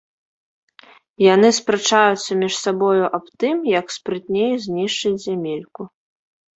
Яны спрачаюцца між сабою аб тым, як спрытней знішчыць зямельку.